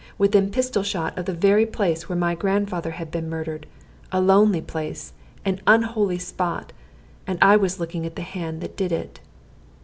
Within pistol shot of the very place where my grandfather had been murdered a lonely place, an unholy spot, and I was looking at the hand that did it.